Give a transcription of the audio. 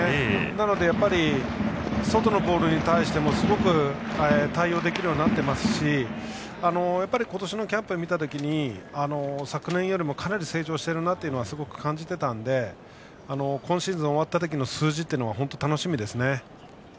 なので、外のボールに対してもすごく対応できるようになっていますしやっぱり今年のキャンプを見たときに昨年よりもかなり成長しているなというのは感じていたので今シーズンが終わったときの数字が楽しみですね。